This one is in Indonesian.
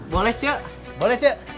boleh cik boleh cik